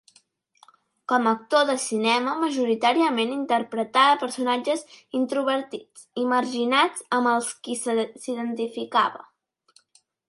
Com a actor de cinema majoritàriament interpretà personatges introvertits i marginats amb els qui s'identificava.